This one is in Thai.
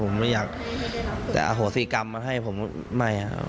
ผมไม่อยากจะอโหสิกรรมมาให้ผมไม่ครับ